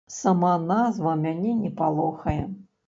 Сама назва мяне не палохае.